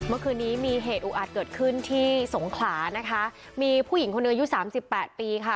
เมื่อคืนนี้มีเหตุอุอาจเกิดขึ้นที่สงขลานะคะมีผู้หญิงคนหนึ่งอายุสามสิบแปดปีค่ะ